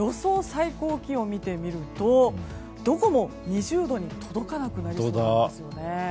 最高気温見てみるとどこも２０度に届かなくなりそうなんですよね。